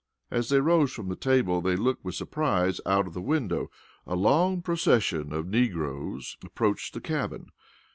As they rose from the table, they looked with surprise out of the window. A long procession of negroes approached the cabin.